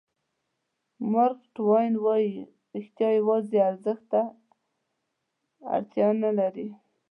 مارک ټواین وایي رښتیا یوازې ارزښت پوه ته ووایه.